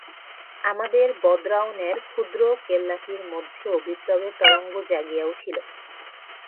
আমাদের বদ্রাওনের ক্ষুদ্র কেল্লাটির মধ্যেও বিপ্লবের তরঙ্গ জাগিয়া উঠিল।